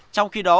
trong khi đó